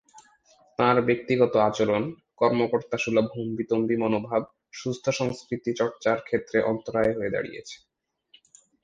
তাঁর ব্যক্তিগত আচরণ, কর্মকর্তাসুলভ হম্বিতম্বি মনোভাব সুস্থ সংস্কৃতিচর্চার ক্ষেত্রে অন্তরায় হয়ে দাঁড়িয়েছে।